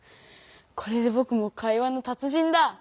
これでぼくも会話のたつ人だ！